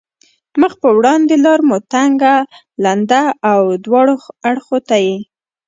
مخ په وړاندې لار مو تنګه، لنده او دواړو اړخو ته یې.